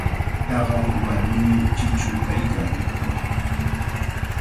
Taqay warmimi chichu kaykan.